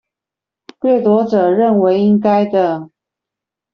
掠奪者認為應該的